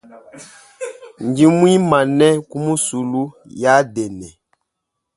Ndi muimane ku musulu yadene.